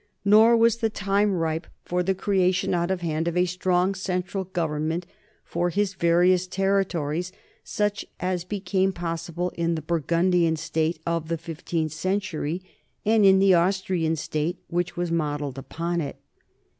Nor was the time ripe for the creation THE NORMAN EMPIRE 95 out of hand of a strong central government for his va rious territories, such as became possible in the Burgun dian state of the fifteenth century and in the Austrian state which was modelled upon it.